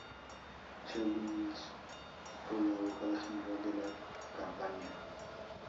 Cheryl Mills fue la abogada general de la campaña.